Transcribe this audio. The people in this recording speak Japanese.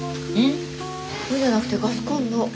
じゃなくてガスコンロ。